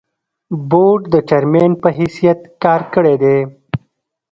بورډ د چېرمين پۀ حېثيت کار کړے دے ۔